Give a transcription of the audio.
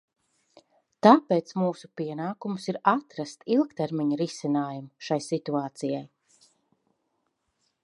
Tāpēc mūsu pienākums ir atrast ilgtermiņa risinājumu šai situācijai.